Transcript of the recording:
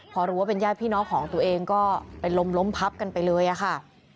พอรู้ว่าเป็นญาติพี่น้องของตัวเองก็เป็นลมล้มพับกันไปเลยอะค่ะ